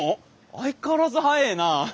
相変わらず速ぇな！